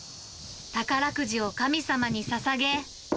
宝くじを神様にささげ。